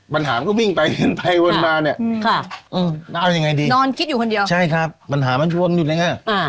ปัญหามันก็วิ่งไปเกินไปเวินมาเนี่ยเอาอย่างไรดีใช่ครับปัญหาไม่ร่วงอยู่ในแง่